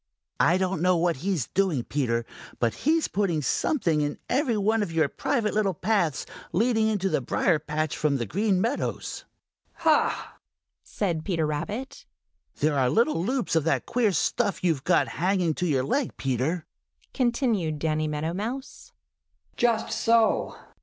"I don't know what he's doing, Peter, but he's putting something in every one of your private little paths leading in from the Green Meadows." "Ha!" said Peter Rabbit. "There are little loops of that queer stuff you've got hanging to your leg, Peter," continued Danny Meadow Mouse. "Just so!"